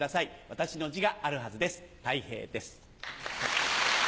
私の字があるはずですたい平です。